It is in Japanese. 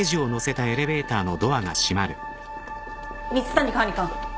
蜜谷管理官。